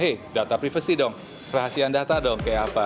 hey data privasi dong rahasia data dong kayak apa